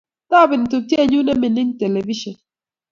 Tabeni tupchenyu ne mining televishen